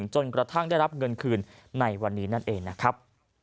จนกระทั่งได้รับเงินคืนในวันนี้นั่นเองนะครับ